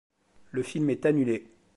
Le film est annulé.